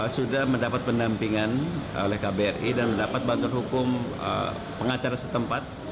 sudah mendapat pendampingan oleh kbri dan mendapat bantuan hukum pengacara setempat